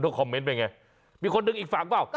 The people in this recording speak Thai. ได้โทรคนให้ออกเป็นไงมีคนดึงอีกฝั่งมั้ย